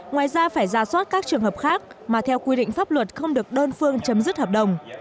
ngoài ra phải ra soát các trường hợp khác mà theo quy định pháp luật không được đơn phương chấm dứt hợp đồng